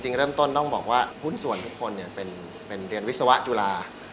เริ่มต้นต้องบอกว่าหุ้นส่วนทุกคนเป็นเรียนวิศวะจุฬา